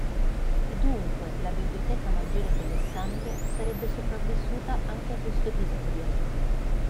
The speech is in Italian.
E dunque la Biblioteca maggiore di Alessandria sarebbe sopravvissuta anche a questo episodio.